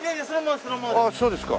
あっそうですか。